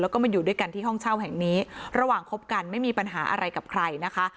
แล้วก็มาอยู่ด้วยกันที่ห้องเช่าแห่งนี้ระหว่างคบกันไม่มีปัญหาอะไรกับใครนะคะ